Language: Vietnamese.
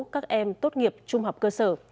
các em tốt nghiệp trung học cơ sở